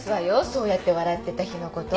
そうやって笑ってた日のこと。